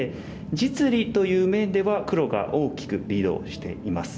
実利という面では黒が大きくリードしています。